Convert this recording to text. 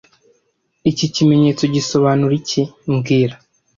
Iki kimenyetso gisobanura iki mbwira